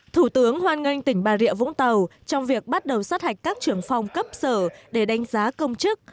thủ tướng hoan nghênh tỉnh bà rịa vũng tàu trong việc bắt đầu sát hạch các trưởng phòng cấp sở để đánh giá công chức